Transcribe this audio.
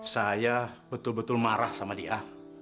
saya betul betul marah sama dia